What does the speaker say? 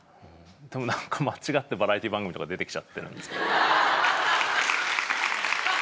でも何か間違ってバラエティー番組とか出てきちゃってるんですけど。